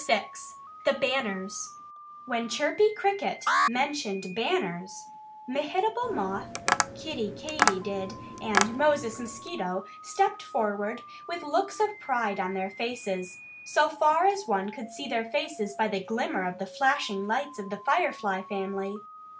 VI THE BANNERS When Chirpy Cricket mentioned "banners," Mehitable Moth, Kiddie Katydid, and Moses Mosquito stepped forward with looks of pride on their faces so far as one could see their faces by the glimmer of the flashing lights of the Firefly family.